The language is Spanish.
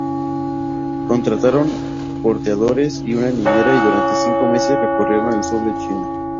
Contrataron porteadores y una niñera y durante cinco meses recorrieron el sur de China.